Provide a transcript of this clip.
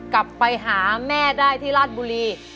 กลับไปหาแม่ได้ที่ราชบุรี